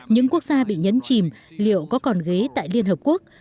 những quốc gia bị nhấn chìm liệu có còn ghế tại liên hợp quốc